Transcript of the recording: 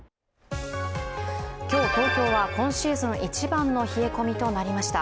今日、東京は今シーズン一番の冷え込みとなりました。